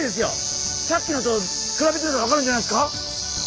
さっきのと比べたらわかるんじゃないですか？